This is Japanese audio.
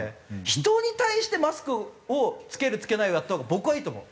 人に対してマスクを着ける着けないをやったほうが僕はいいと思う。